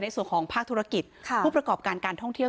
ในส่วนของภาคธุรกิจผู้ประกอบการการท่องเที่ยว